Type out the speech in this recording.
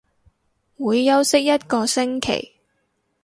會休息一個星期